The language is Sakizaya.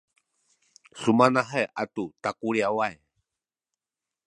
sumanahay atu takuliyaway